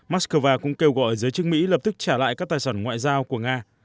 moscow cũng kêu gọi giới chức mỹ lập tức trả lại các tài sản ngoại giao của nga